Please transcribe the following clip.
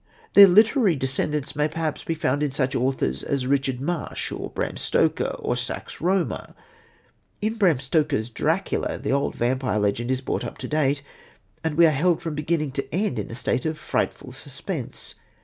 Their literary descendants may perhaps be found in such authors as Richard Marsh or Bram Stoker, or Sax Rohmer. In Bram Stoker's Dracula the old vampire legend is brought up to date, and we are held from beginning to end in a state of frightful suspense.